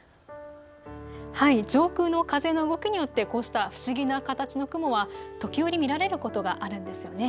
上空の風の動きによってこうした不思議な形の雲は時折、見られることがあるんですよね。